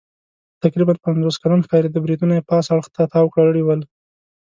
تقریباً پنځوس کلن ښکارېده، برېتونه یې پاس اړخ ته تاو کړي ول.